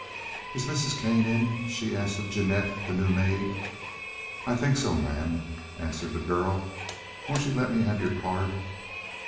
"Is Mrs. Kane in?" she asked of Jeannette, the new maid. "I think so, mam," answered the girl. "Won't you let me have your card?"